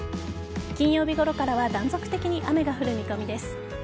金曜日ごろからは断続的に雨が降る見込みです。